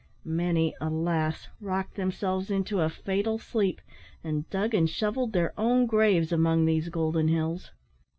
Many, alas! rocked themselves into a fatal sleep, and dug and shovelled their own graves among these golden hills.